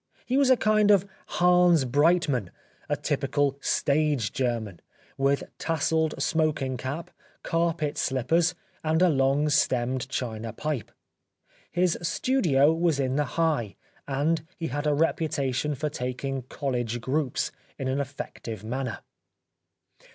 He was a kind of Hans Breitmann^a typical stage German, with tasselled smoking cap, carpet slippers, and a long stemmed china pipe. His studio was in the " High," and he had a reputation for taking " College groups " in an effective manner.